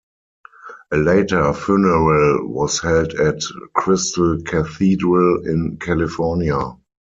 A later funeral was held at Crystal Cathedral in California.